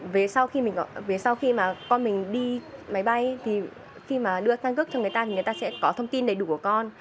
vì sau khi mà con mình đi máy bay thì khi mà đưa căn cước cho người ta thì người ta sẽ có thông tin đầy đủ của con